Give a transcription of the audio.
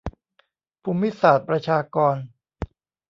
ภูมิศาสตร์ประชากร